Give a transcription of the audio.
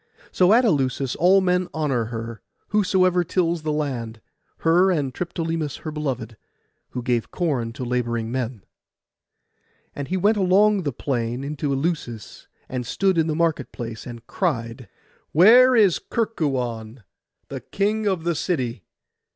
So at Eleusis all men honour her, whosoever tills the land; her and Triptolemus her beloved, who gave corn to labouring men. And he went along the plain into Eleusis, and stood in the market place, and cried— 'Where is Kerkuon, the king of the city?